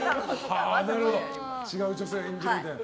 違う女性を演じるみたいな。